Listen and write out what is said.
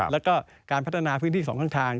แล้วก็การพัฒนาพื้นที่สองข้างทาง